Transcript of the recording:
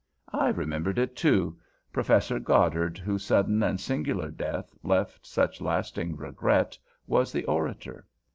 I remembered it, too; Professor Goddard, whose sudden and singular death left such lasting regret, was the Orator.